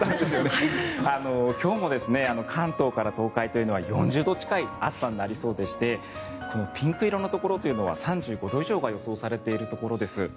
今日も関東から東海というのは４０度近い暑さになりそうでしてピンク色のところというのは３５度以上というのが予想されているところです。